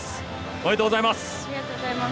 ありがとうございます。